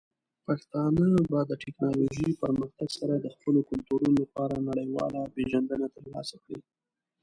پښتانه به د ټیکنالوجۍ پرمختګ سره د خپلو کلتورونو لپاره نړیواله پیژندنه ترلاسه کړي.